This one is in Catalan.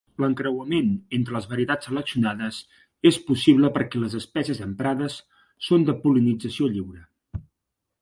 L'encreuament entre les varietats seleccionades és possible perquè les espècies emprades són de pol·linització lliure.